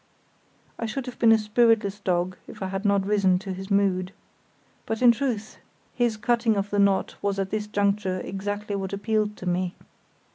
I should have been a spiritless dog if I had not risen to his mood. But in truth his cutting of the knot was at this juncture exactly what appealed to me.